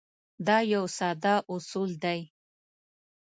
دا یو ساده اصول دی.